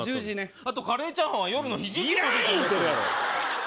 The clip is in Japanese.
あとカレーチャーハンは夜の７時までといらん言うてるやろ！